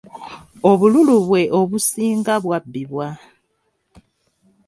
Obululu bwe obusinga bwabbibwa.